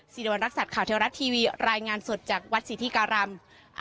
สิริวัณรักษัตริย์ข่าวเทวรัฐทีวีรายงานสดจากวัดสิทธิการาม